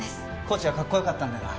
コーチがかっこよかったんだよな？